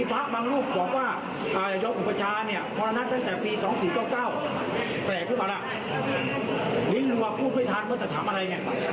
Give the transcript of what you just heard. หรือว่าผู้พิทัศน์เมื่อจะถามอะไร